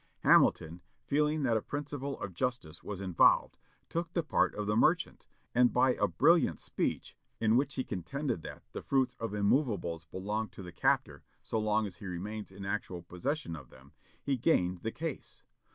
Hamilton, feeling that a principle of justice was involved, took the part of the merchant, and by a brilliant speech, in which he contended that "the fruits of immovables belong to the captor so long as he remains in actual possession of them," he gained the case.